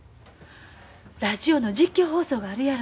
ラジオの実況放送があるやろ。